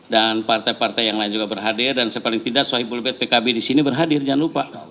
dan partai partai yang lain juga berhadir dan sepaling tidak sohibulbet pkb disini berhadir jangan lupa